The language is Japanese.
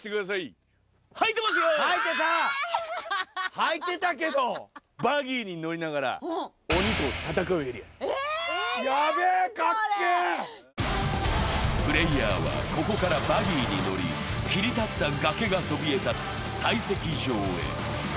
はいてたけどプレーヤーはここからバギーに乗り切り立った崖がそびえ立つ採石場へ。